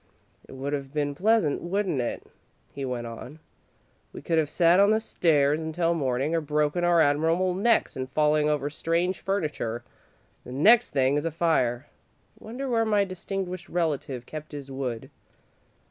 "It would have been pleasant, wouldn't it?" he went on. "We could have sat on the stairs until morning, or broken our admirable necks in falling over strange furniture. The next thing is a fire. Wonder where my distinguished relative kept his wood?"